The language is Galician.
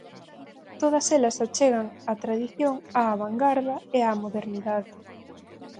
Todas elas achegan a tradición á vangarda e á modernidade.